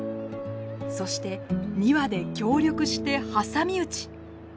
そして２羽で協力して挟み撃ち！